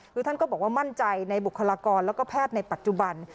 คือท่านก็บอกว่ามั่นใจในบุคลากรแล้วก็แพทย์ในปัจจุบัน